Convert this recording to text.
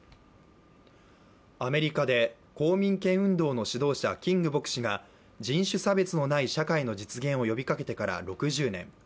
アメリカで公民権運動の指導者キング牧師が、人種差別のない社会の実現を呼びかけてから６０年。